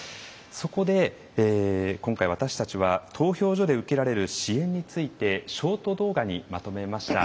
そこで今回私たちは投票所で受けられる支援についてショート動画にまとめました。